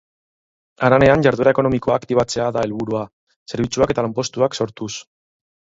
Haranean jarduera ekonomikoa aktibatzea da helburua, zerbitzuak eta lanpostuak sortuz.